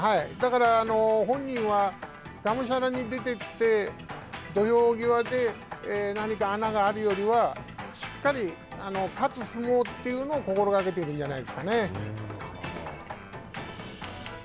だから本人はがむしゃらに出てきて土俵際で何か穴があるよりはしっかり勝つ相撲というのを心がけているんじゃないですかね。